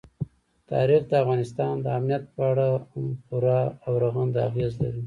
تاریخ د افغانستان د امنیت په اړه هم پوره او رغنده اغېز لري.